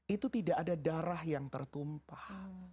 itu tidak ada darah yang tertumpah